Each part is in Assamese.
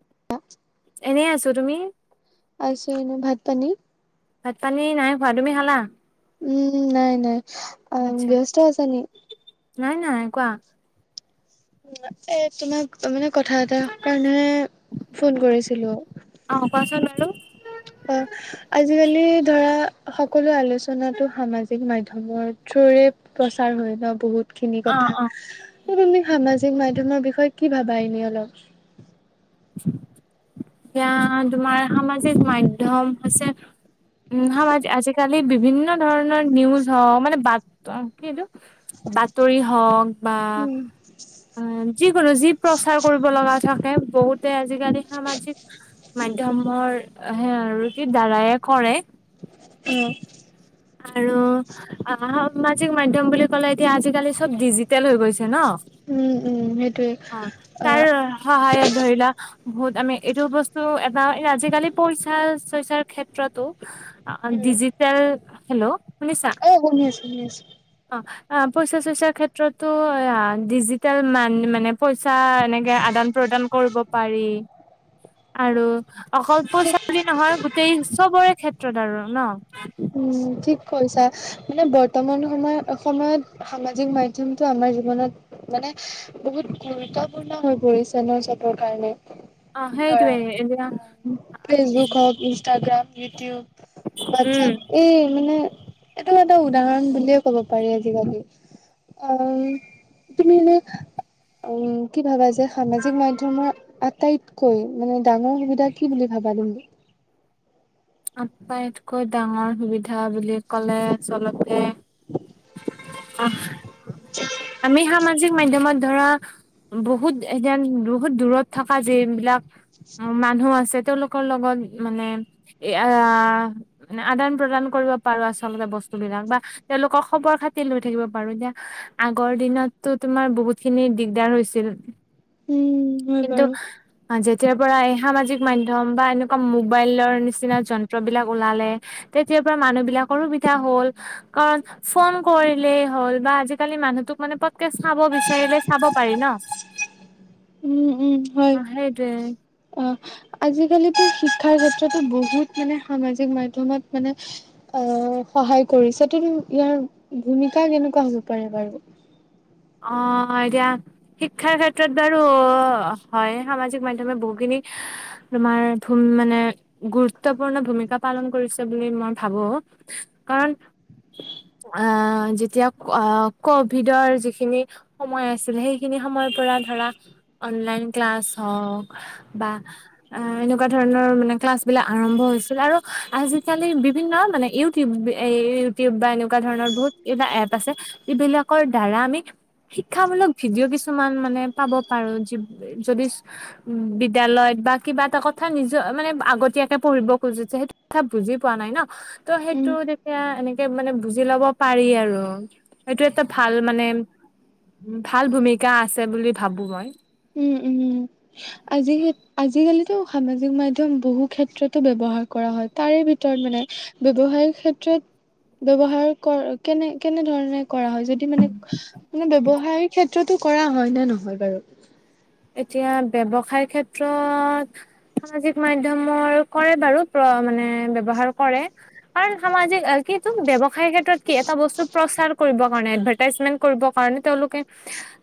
এ [inaudible] এনেই আছোঁ তুমি? আছোঁ এনে। ভাত পানী ভাত পানী নাই খোৱা। তুমি খালা? উম, নাই, নাই আ আচ্ছা ব্যস্ত আছা নি? নাই নাই। কোৱা এ তোমাক তাৰমানে কথা এটাৰ কাৰণে ফোন কৰিছিলো। অ কোৱাচোন বাৰু অ আজিকালি, ধৰা সকলো আলোচনাটো সামাজিক, মাধ্যমৰ থ্ৰোৰে প্ৰচাৰ হয় ন বহুত। খিনি অ কথা। অ তুমি সামাজিক মাধ্যয়মৰ বিষয়ে কি ভাবা এনে অলপ? এয়া তোমাৰ সামাজিক মাধ্যয়ম হৈছে, উম, সামাজ আজিকালি বিভিন্ন ধৰণৰ নিউজ হওক মানে বা ত কিএইটো বাতৰি হওক বা উম উম, যিকোনো যি প্ৰচাৰ কৰিব লগা থাকে, বহুতে আজিকালি সামাজিক মাধ্যমৰ সে আৰু দ্বাৰায়েই কৰে। অ আৰু অ' সামাজিক মাধ্যম বুলি কলে, এতিয়া আজিকালি চব ডিজিটেল হৈ গৈছে ন? উম, উম সেইটোৱে। অ আ তাৰ সহায়ত ধৰি লোৱা বহুত আমি এইটো বস্তু এটা, আজিকালি পইচা চইচাৰ ক্ষেত্ৰতো ডিজি টেল হেল্ল' শুনিছা? অ শুনি আছোঁ, শুনি আছোঁ। অ' অ' পইচা চইচাৰ ক্ষেত্ৰতো ডিজিটেল মান মানে পইচা এনেকে আদান প্ৰদান কৰিব পাৰি। আৰু অকল পইচা বুলি নহয়, গোটেই চবৰে ক্ষেত্ৰত আৰু ন? উম, ঠিক কৈছা। মানে বৰ্তমান সময় সময়ত সামাজিক মাধ্যমতটো আমাৰ জীৱনত মানে বহুত গুৰুত্বপূৰ্ণ হৈ পৰিছে ন চবৰ কাৰণে। অ ধৰা সেইটোৱে এতিয়া ফেচবুক হওক, ইনষ্টাগ্ৰাম ইউটিউব উম হোৱাটচএপ এই মানে এইটো এটা উদাহৰণ বুলিয়ে ক'ব পাৰি আজিকালি। অ', তুমি এনেই উ কি ভাবা যে সামাজিক মাধ্যমৰ আটাইতকৈ মানে ডাঙৰ সুবিধা কি বুলি ভাবা তুমি? আটাইতকৈ ডাঙৰ সুবিধা বুলি ক'লে আচলতে। আমি সামাজিক মাধ্যমত ধৰা বহুত এদন বহুত দূৰত থকা যে এইবিলাক মানুহ আছে তেওঁলোকৰ লগত মানে আহ মানে আদান প্ৰদান কৰিব পাৰো আচলতে বস্তু বিলাক। বা তেওঁলোকক খবৰ খাতি লৈ থাকিব পাৰো দিয়া। আগৰ দিনতো তোমাৰ বহুত খিনি দিগদাৰ হৈছিল। উম হয় কিন্তু বাৰু অ' যেতিয়াৰ পৰা এই সামাজিক মাধ্যম বা এনেকুৱা মোবাইলৰ নিচ চিনা যন্ত্ৰবিলাক ওলালে তেতিয়াৰ পৰা মানুহ বিলাকৰ সুবিধা হ'ল। কাৰণ ফোন কৰিলেই হ'ল বা আজিকালি মানুহটোক মানে পতকে চাব বিচাৰিলে চাব পাৰি ন। উ [unintelligible] অ' সেইটোৱেই। অ' আজিকালিতো শিক্ষাৰ ক্ষেত্ৰতো বহুত মানে সামাজিক মাধ্যমত মানে আহ সহায় কৰিছা তুমি ইয়াৰ ভূমিকা কেনেকুৱা হ'ব পাৰে বাৰু? অ' এতিয়া শিক্ষাৰ ক্ষেত্ৰত বাৰু হয়, সামাজিক মাধ্যমে বহুখিনি তোমাৰ মানে গুৰুত্বপূৰ্ণ ভূমিকা পালন কৰিছে বুলি মই ভাবো। কাৰণ আ' যেতিয়া ক'ভিডৰ যিখি খিনি সময় আছিল, সেইখিনি সময়ৰ পৰা ধৰা অনলাইন ক্লাছ হওঁক বা আ' এনেকুৱা ধৰণৰ মানে ক্লাছ বিলাক আৰম্ভ হৈছিল, আৰু আজিকালি বিভিন্ন মানে ইউ টিউব ইউটিউব বা এনেকুৱা ধৰণৰ বহুত কিবা এপ আছে। এইবিলাকৰ দ্বাৰা আমি শিক্ষামূলক ভিডিঅ' কিছুমান মানে পাব পাৰো। যি যদি উ বিদ্যালয়ত বা কিবা এটা কথা নিজৰ মানে আগতীয়াকে পঢ়িব খোজোযে সেই চব বুজি পোৱা নাই ন, ত' উম সেইটো তেতিয়া এনেকে মানে বুজি লব পাৰি আৰু। এইটো এটা ভাল মানে - ভাল ভূমিকা আছে বুলি ভাবো মই। উম উম আজি হেত আজিকালিতো সামাজিক মাধ্যয়ম বহু ক্ষেত্ৰতো ব্যৱহাৰ কৰা হয়, তাৰে ভিতৰত মানে - ব্যৱসায়িক ক্ষেত্ৰত ব্যৱহাৰ কৰ কেনে কেনেধৰণে কৰা হয় যদি মানে - মানে ব্যবসায়িক ক্ষেত্ৰতো কৰা হয় নে নহয় বাৰু? এতিয়া ব্যবসায়িক ক্ষেত্ৰত - সামাজিক মাধ্যয়মৰ কৰে বাৰু প্ৰ মানে ব্যৱহাৰ কৰে। কাৰণ সামাজিক কি এইটো ব্যৱসায় ক্ষেত্ৰত কি এটা বস্তু প্ৰচাৰ কৰিব কাৰণে এডভাৰটাইজমেন্ট - কৰিব কাৰণে তেওঁলোকে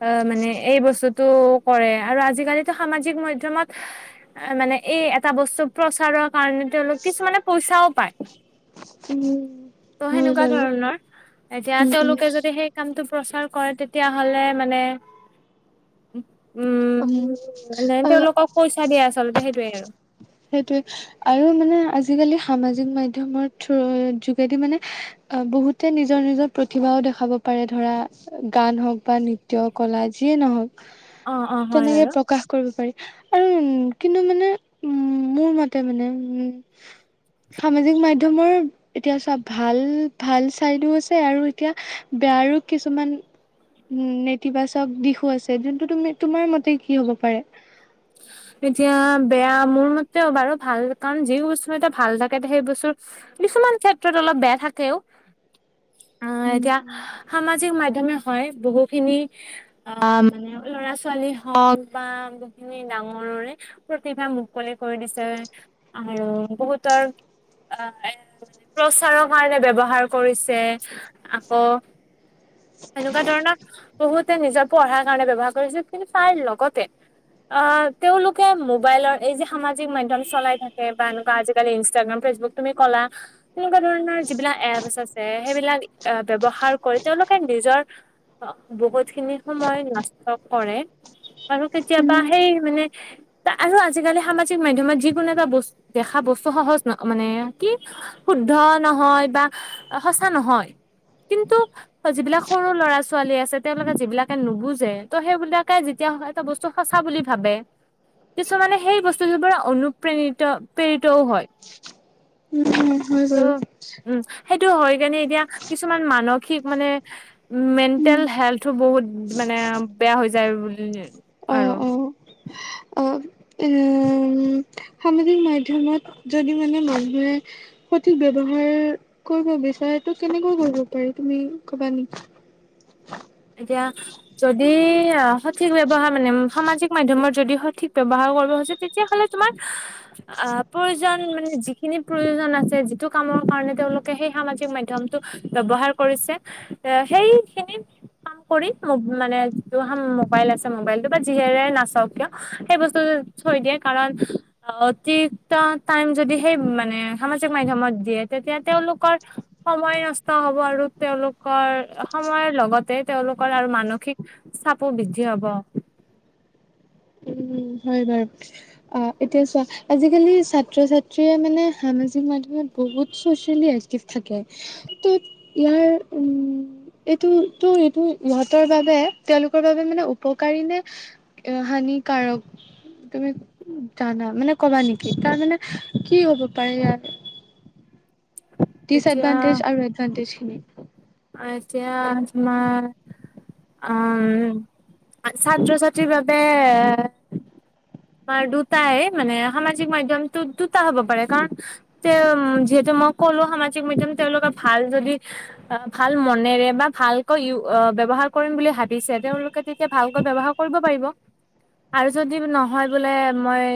অ মানে এই বস্তুটো - কৰে আৰু আজিকালিতো সামাজিক মাধ্যয়মত - মানে এই এটা বস্তু প্ৰচাৰৰ কাৰণে তেওঁলোক কিছুমানে পইচাও পায়। উম ত হয় সেনেকুৱা বাৰু ধৰণৰ এতিয়া উম তেওঁলোকে যদি সেই - কামটো প্ৰচাৰ কৰে তেতিয়াহ'লে মানে - উম মানে উম তেওঁলোকক পইচা দিয়ে আচলতে সেইটোৱে আৰু। সেইটোৱে আৰু মানে আজিকালি সামাজিক মাধ্যয়মৰ থ্ৰ যোগেদি মানে - অ বহুতে নিজৰ নিজৰ প্ৰতিভাও দেখাব পাৰে ধৰা - গান হওক বা নৃত্য কলা যিয়ে নহওক। অ অ হয় তেনেকে বাৰু প্ৰকাশ কৰিব পাৰি আৰু উ কিন্তু মানে - উম মোৰ মতে মানে, উম সামাজিক মাধ্যয়মৰ - এতিয়া চোৱা ভাল ভাল চাইডো আছে আৰু এতিয়া বেয়াৰো কিছুমান - উম নেতিবাচক দিশো আছে যোনটো তুমি তোমাৰ মতে কি হ'ব পাৰে? এতিয়া বেয়া মোৰ মতেও বাৰু ভাল কাৰণ যি বস্তু এটা ভাল থাকে সেই বস্তুৰ - কিছুমান ক্ষেত্ৰত অলপ বেয়া থাকেও। [unintelligible] অ', এতিয়া সামাজিক মাধ্যমে হয় বহুখিনি - অ মানে ল'ৰা-ছোৱালী হওক বা বহু খিনি ডাঙৰৰে প্ৰতিভা মুকলি কৰি দিছে। আৰু বহুতৰ অ এ - প্ৰচাৰৰ কাৰণে ব্যৱহাৰ কৰিছে, আকৌ - সেনেকুৱা ধৰণৰ বহুতে নিজৰ পঢ়াৰ কাৰণে ব্যৱহাৰ কৰিছিল। কিন্তু তাৰ লগতে - অ', তেওঁলোকে মোবাইলৰ এই যে, সামাজিক মাধ্যম চলাই থাকে বা এনেকুৱা আজিকালি ইনষ্টাগ্ৰাম, ফেচবুক - তুমি ক'লা তেনেকুৱা ধৰণৰ যিবিলাক এপছ আছে সেইবিলাক ব্যৱহাৰ কৰি তেওঁলো কে নিজৰ বহুত খিনি সময় নষ্ট কৰে। আৰু কেতিয়াবা উম সেই মানে - আৰু আজিকালি সামাজিক মাধ্যমত যিকোনো এটা বস্তু দেখা বস্তু সহজ ন মানে কি - শুদ্ধ নহয় বা অ সঁচা নহয়, কিন্তু - যিবিলাক সৰু ল'ৰা-ছোৱালী আছে তেওঁলোকে যিবিলাকে নুবুজে ত' সেইবিলাকে যেতিয়া সেই টা বস্তু সঁচা বুলি ভাবে - কিছুমানে সেই বস্তুটোৰ পৰা অনুপ্ৰেৰিত প্ৰেৰিতও হয়। উম উম হয় ত' বাৰু। উম, সেইটো হৈ কেনে এতিয়া কিছুমান মানসিক - মানে মেণ্টেল হেল্থো বহুত মানে বেয়া হৈ যায় বুলি - অ আৰু। অ অ', উম, সামাজিক মাধ্যমত যদি মানে মানুহে - সঠিক ব্যৱহাৰ কৰিব বিচাৰটো কেনেকৈ কৰিব পাৰি তুমি কবা নেকি? এতিয়া যদি সঠিক আ, ব্যৱহাৰ মানে সামাজিক মাধ্যমৰ যদি সঠিক ব্যৱহাৰ কৰিব খোজোঁ তেতিয়াহ'লে তোমাৰ আ, প্ৰয়োজন মানে যিখিনি প্ৰয়োজন আছে যিটো কামৰ কাৰণে তেওঁলোকে সেই সামাজিক মাধ্যমটো ব্যৱহাৰ কৰিছে এ, সেইখিনিত কৰি মোব-মানে যিটো হাম-মোবাইল আছে মোবাইলটো বা যিহেৰে নাচাওঁক কিয়, সেই বস্তুটো থৈ দিয়ে, কাৰণ অতিৰিক্ত টাইম যদি সেই মানে সামাজিক মাধ্যমত দিয়ে, তেতিয়া তেওঁলোকৰ সময় নষ্ট হ'ব আৰু তেওঁলোকৰ সময়ৰ লগত তেই তেওঁলোকৰ আৰু মানসিক চাপো বৃদ্ধি হ'ব। উম, হয় বাৰু। অ', এতিয়া চোৱা আজিকালি ছাত্ৰ ছাত্ৰীয়ে মানে সামাজিক মাধ্যমত বহুত চচিয়েলি এক তিভ থাকে। ত' ইয়াৰ উম এইটো টো এইটো ইহঁতৰ বাবে তেওঁলোকৰ বাবে মানে উপকাৰী নে হানিকাৰক তুমি জানা মানে কবা নেকি? তাৰ মানে কি হ'ব পাৰে ইয়াৰ এতিয়া দিচএডভান্টেজ আৰু এডভাণ্টেজ খিনি। অ', এতিয়া তোমাৰ উম, ছাত্ৰ-ছাত্ৰীৰ বাবে তোমাৰ দুটায়ে মানে সামাজিক মাধ্যমটো দুটা হ'ব পাৰে, কাৰণ তে যিহেতু মই ক'লো সামাজিক মাধ্যম তেওঁলোকৰ ভাল যদি ভাল মনেৰে বা ভালকৈ ইই আ, ব্যয়ৱহাৰ কৰিম বুলি ভাবিছে, তেওঁওলোকে তেতিয়া ভালকৈ ব্যৱহাৰ কৰিব পাৰিব। আৰু যদি নহয় বোলে মই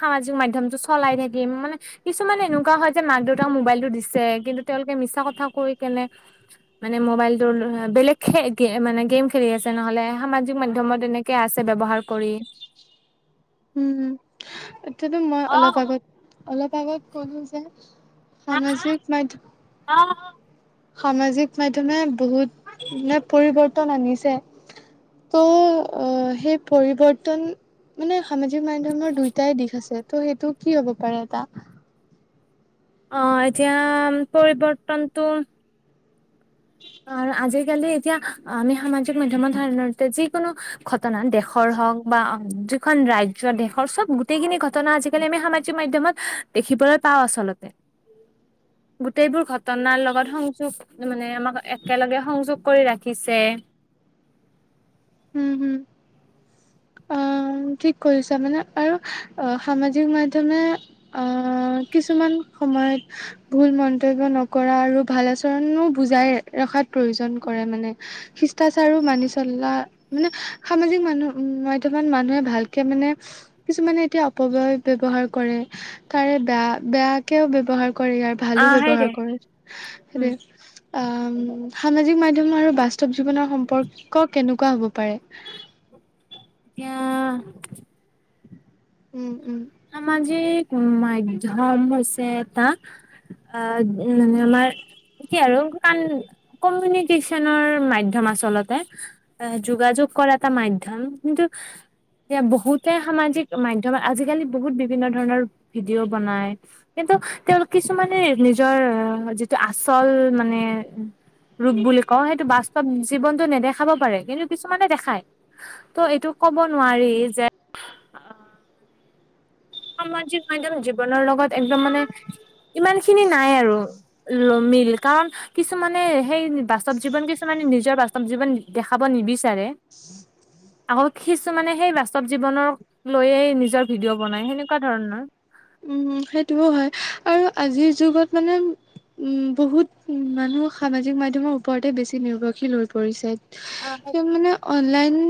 সামাজিক মাধ্যমটো চলাই থাকিম মানে কিছুমানে এনেকুৱা হয় যে, মাক দেউতাক মোবাইলটো দিছে কিন্তু তেওঁলোকে মিছা কথা কৈ কেনে মানে মোবাইলটোৰ লৈ বেলেগ খে গে মানে গেম খেলি আছে, নহ'লে সামাজিক মাধ্যমত এনেক কে আছে ব্যৱহাৰ কৰি। উম, উম। এতিয়াতো মই অলপ আগত, অলপ আগত ক'লো যে সামাজিক মাধ্য সামাজিক মাধ্যমে বহুত, মানে পৰিৱৰ্তন আনিছে। ত' অ', সেই পৰিৱৰ্তন মানে সামাজিক মাধ্যমৰ দুইটাই দিশ আছে, ত' সেইটো কি হ'ব পাৰে এটা? অ', এতিয়া পৰিবৰ্তনটো আৰু আজিকালি এতিয়া আমি সামাজিক মাধ্যমৰ সধাৰণতে যিকোনো ঘটনা, দেশৰ হওঁক বা [unintelligible] খন ৰাজ্য দেশৰ চব, গোটেইখিনি ঘটনা আজিকালি আমি সামাজিক মাধ্যমত দেখিবলৈ পাওঁ আচলতে। [inaudible] গোটেইবোৰ ঘটনাৰ লগত সংযোগ মানে আমাক একেলগে সংযোগ কৰি ৰাখিছে। উম, হুম, অ'। উম, ঠিক কৈছা মানে আৰু অ', সামাজিক মাধ্যমে আ, কিছুমান সময়ত ভুল মন্তব্য নকৰা আৰু ভাল আচৰণো বুজাই ৰখাত প্ৰয়োজন কৰে মানে। শিষ্টাচাৰো মানি চলা মানে সামাজিক মানুহ, মাধ্যমত মানুহে ভালকে মানে কিছুমানে এতিয়া অপবয় ব্যৱহাৰ কৰে, তাৰে বেয়া বেয়াকেও ব্যৱহাৰ কৰে। কৰে আৰু ভালো আহ সেইৰে ব্যৱহাৰ কৰে, উম সেইটোৱে আম', সামাজিক মাধ্যম আৰু বাস্তৱ জীৱনৰ সম্পৰ্ক কেনেকুৱা হ'ব পাৰে? তিয়া উম উম। সামাজিক মাধ্যম হৈছে এটা আগ মানে আমাৰ, কি আৰু কান কমিউনিকেশ্যনৰ মাধ্যম আচলতে। অহ, যোগাযোগ কৰা এটা মাধ্যম, কিন্ত এইয়া বহুতে সামাজিক মাধ্যমত আজিকালি বহুত বিভিন্ন ধৰণৰ ভিডিঅ' বনাই। কিন্তু তেওঁলোক কিছুমানে নিজৰ যিটো আচল মানে ৰূপ বুলি কওঁ, সেইটো বাস্তৱ জীৱনটো নেদেখাব পাৰে, কিন্তু কিছুমানে দেখায়, ত' এইটো ক'ব নোৱাৰি যে সামাজিক মাধ্যম, জীৱনৰ লগত একদম মানে ইমান খিনি নাই আৰু। ল মিল কাৰণ কিছুমানে সেই নি বাস্তৱ জীৱন, কিছুমানে নিজৰ বাস্তৱ জীৱন দেখাব নিবিচাৰে। আকৌ খিছুমানে সেই বাস্তৱ জীৱনক লৈয়েই নিজৰ ভিডিঅ' বনাই, সেনেক কুৱা ধৰণৰ। উম, সেইটোও হয়, আৰু আজিৰ যুগত মানে উম, বহুত মানুহ সামাজিক মাধ্যমৰ ওপৰতেই বেছি নিৰ্ভৰশীল হৈ পৰিছে। অ [unintelligible] মানে অনলাইন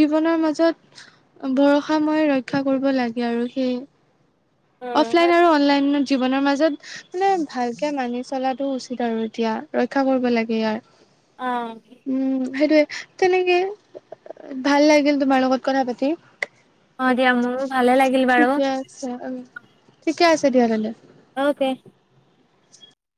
জীৱনৰ মাজত ভৰষাময় ৰক্ষা কৰিব লাগে আৰু সেইয়েই। উম, অফলাইন আৰু অনলাইনৰ জীৱনৰ মাজত মানে ভালকে মানি চলাটো উচিত আৰু এতিয়া, ৰক্ষা কৰিব লাগে ইয়াৰ। অ'। উম, সেইটোয়ে, তেনেকেই, ভাল লাগিল তোমাৰ লগত কথা পাতি। অ দিয়া মোৰো ভালে লাগিল বাৰু ঠিকে আছে অম', ঠিকেই আছে দিয়া তেন্তে। অকে।